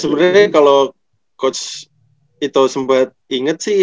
sebenarnya kalau coach ito sempat inget sih